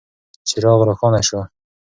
څراغ روښانه شو.